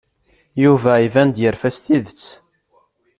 Yuba iban-d yerfa s tidet.